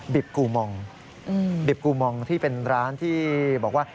บีปกูมองที่เป็นร้านที่บอกว่า